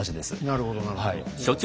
なるほどなるほど。